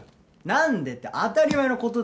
なんでって当たり前のことだろ！